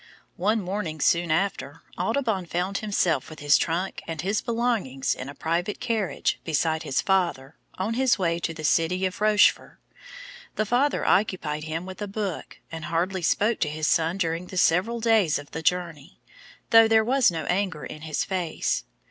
One morning soon after, Audubon found himself with his trunk and his belongings in a private carriage, beside his father, on his way to the city of Rochefort. The father occupied himself with a book and hardly spoke to his son during the several days of the journey, though there was no anger in his face.